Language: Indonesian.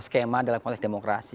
skema dalam konteks demokrasi